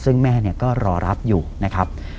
ซึ่งแม่ก็รอรับอยู่นะครับ